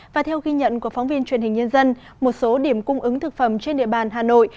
và theo ghi nhận của phóng viên truyền hình nhân dân một số điểm cung ứng thực phẩm trên địa bàn hà nội